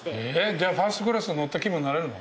じゃあファーストクラス乗った気分になれるの？